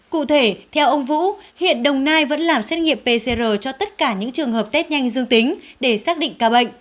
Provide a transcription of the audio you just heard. cụ thể theo ông vũ hiện đồng nai vẫn làm xét nghiệm pcr cho tất cả những trường hợp test nhanh dương tính để xác định ca bệnh